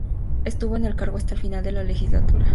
Estuvo en el cargo hasta el final de la legislatura.